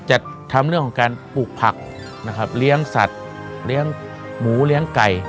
จะทำเรื่องของการปลูกผักนะครับเลี้ยงสัตว์เลี้ยงหมูเลี้ยงไก่